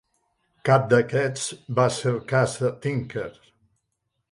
Cap d'aquests va ser el cas de Tinker.